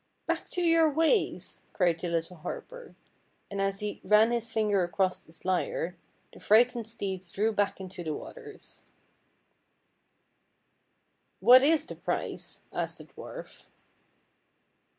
" Back to your waves !" cried the little harper ; and as he ran his fingers across his lyre, the frightened steeds drew back into the waters. 162 FAIRY TALES " What is the price? " asked the dwarf.